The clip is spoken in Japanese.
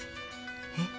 えっ？